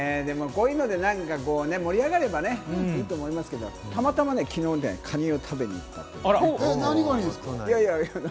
こういうので盛り上がればね、いいと思いますけど、たまたま昨日カニを食べに行ったの。